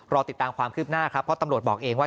ติดตามความคืบหน้าครับเพราะตำรวจบอกเองว่า